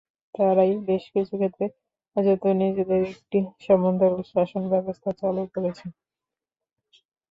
তাঁরাই বেশ কিছু ক্ষেত্রে কার্যত নিেজদের একটি সমান্তরাল শাসনব্যবস্থা চালু করেছেন।